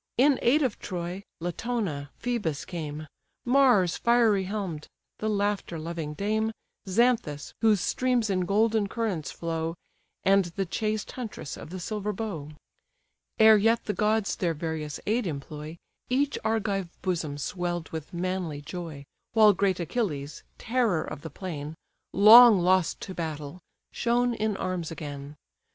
In aid of Troy, Latona, Phœbus came, Mars fiery helm'd, the laughter loving dame, Xanthus, whose streams in golden currents flow, And the chaste huntress of the silver bow. Ere yet the gods their various aid employ, Each Argive bosom swell'd with manly joy, While great Achilles (terror of the plain), Long lost to battle, shone in arms again.